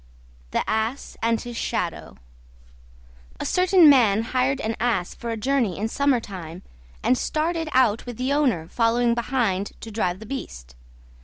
THE ASS AND HIS SHADOW A certain man hired an Ass for a journey in summertime, and started out with the owner following behind to drive the beast.